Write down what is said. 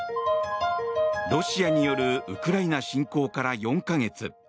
ロシアによるウクライナ侵攻から４か月